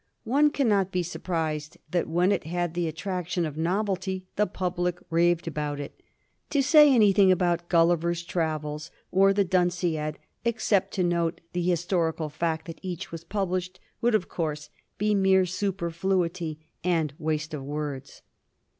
One cannot be surprised that when it had the attraction of novelty the public raved about it. To say anything about * Gulliver's Travels ' or the ' Dunciad/ except to note the historical fact that each was published, would of course be mere superfluity and waste of words.